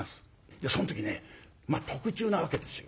その時ね特注なわけですよ。